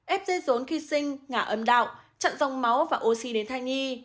ép dây rốn khi sinh ngả âm đạo chặn dòng máu và oxy đến thai nhi